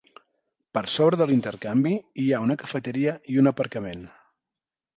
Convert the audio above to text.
Per sobre de l'intercanvi, hi ha una cafeteria i un aparcament.